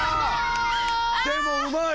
でもうまい！